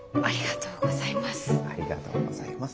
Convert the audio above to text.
ありがとうございます。